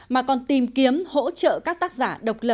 mà còn tìm kiếm hỗ trợ các tác giả độc lập